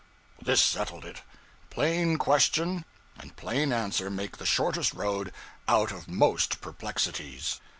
This settled it. Plain question and plain answer make the shortest road out of most perplexities.